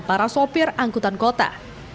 para sopir angkutan kota